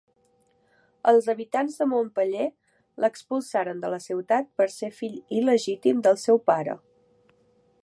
Els habitants de Montpeller l'expulsaren de la ciutat per ser fill il·legítim del seu pare.